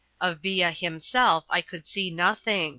Of Villa himself I could see nothing.